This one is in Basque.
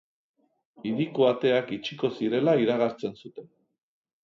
Hiriko ateak itxiko zirela iragartzen zuten.